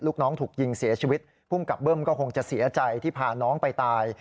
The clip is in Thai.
ลูกน้องถูกยิงเสียชีวิตภูมิกับเบิ้มก็คงจะเสียใจที่พาน้องไปตาย